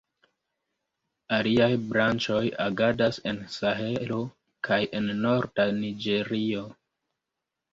Aliaj branĉoj agadas en Sahelo kaj en norda Niĝerio.